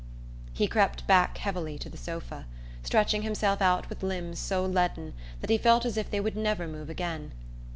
He crept back heavily to the sofa, stretching himself out with limbs so leaden that he felt as if they would never move again.